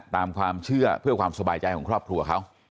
ตามความเชื่อเพื่อความสบายใจของครอบครัวเขา